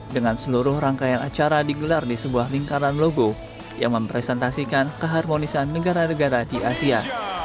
dengan seluruh rangkaian acara digelar di sebuah lingkaran logo yang mempresentasikan keharmonisan negara negara di asia